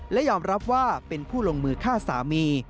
และยอมรับว่าเป็นผู้ลงมือฆ่าสามี